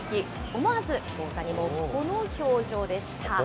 思わず大谷もこの表情でした。